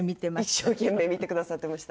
一生懸命見てくださってました。